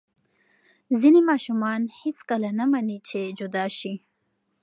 ځینې ماشومان هېڅکله نه مني چې جدا شي.